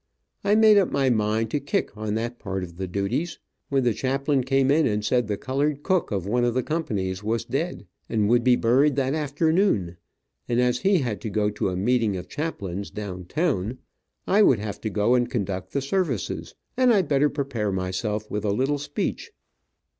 I made up my mind to kick on that part of the duties, when the chaplain came in and said the colored cook of one of the companies was dead, and would be buried that afternoon, and as he had to go to a meeting of chaplains down town, I would have to go and conduct the services, and I better prepare myself with a little speech.